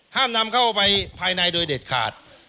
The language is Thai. ห้ามนำเข้าไปภายในโดยเด็ดขาด